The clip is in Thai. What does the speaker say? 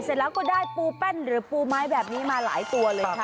เสร็จแล้วก็ได้ปูแป้นหรือปูไม้แบบนี้มาหลายตัวเลยค่ะ